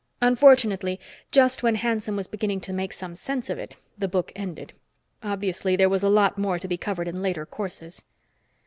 Unfortunately, just when Hanson was beginning to make some sense of it, the book ended. Obviously, there was a lot more to be covered in later courses.